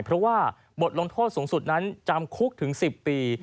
เพราะว่าบทลงโทษสูงสุดนั้นจำคุกถึง๑๐ปี